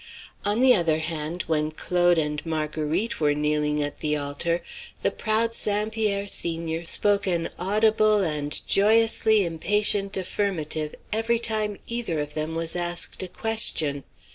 On the other hand, when Claude and Marguerite were kneeling at the altar the proud St. Pierre, senior, spoke an audible and joyously impatient affirmative every time either of them was asked a question.